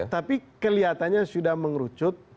tapi kelihatannya sudah mengerucut